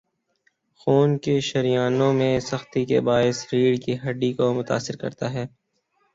خون کی شریانوں میں سختی کے باعث ریڑھ کی ہڈی کو متاثر کرتا ہے